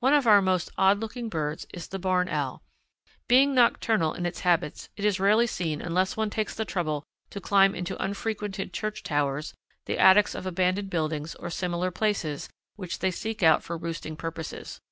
One of our most odd looking birds is the Barn Owl. Being nocturnal in its habits it is rarely seen unless one takes the trouble to climb into unfrequented church towers, the attics of abandoned buildings, or similar places which they seek out for roosting purposes.